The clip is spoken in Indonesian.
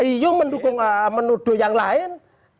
iya mendukung menuduh yang lain